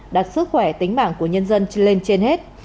đặt sức khỏe tính mạng của nhân dân lên trên hết